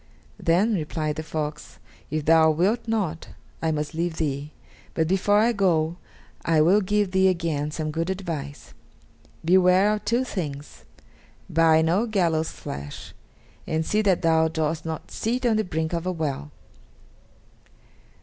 "Then," replied the fox, "if thou wilt not, I must leave thee; but before I go I will give thee again some good advice. Beware of two things buy no gallows' flesh, and see that thou dost not sit on the brink of a well!"